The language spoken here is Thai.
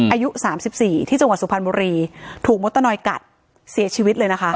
อายุ๓๔ที่จังหวัดสุพรรณบุรีถูกโมตานอยกัดเสียชีวิตเลยนะคะ